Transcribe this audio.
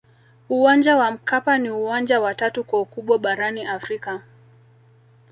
uwanja wa mkapa ni uwanja wa tatu kwa ukubwa barani afrika